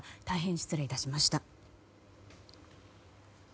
大変失礼致しました。